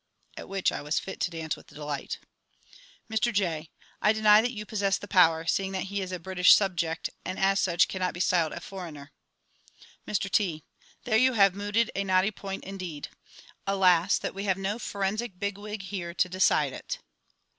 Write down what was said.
[At which I was fit to dance with delight. Mr J. I deny that you possess the power, seeing that he is a British subject, and as such cannot be styled a "foreigner." Mr T. There you have mooted a knotty point indeed. Alas, that we have no forensic big wig here to decide it!